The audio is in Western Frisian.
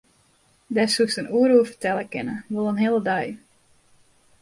Dêr soest in oere oer fertelle kinne, wol in hele dei.